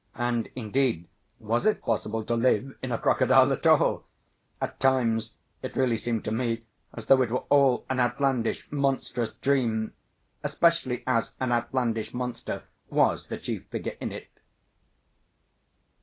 And, indeed, was it possible to live in a crocodile at all? At times it really seemed to me as though it were all an outlandish, monstrous dream, especially as an outlandish monster was the chief figure in it.